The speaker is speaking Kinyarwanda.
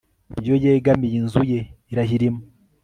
iyo yegamiye inzu ye, irahirima